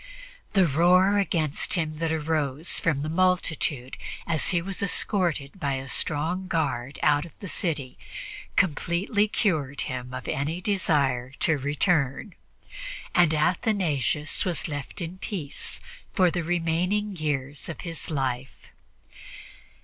The roar against him that arose from the multitude as he was escorted by a strong guard out of the city completely cured him of any desire to return, and Athanasius was left in peace for the remaining years of his life.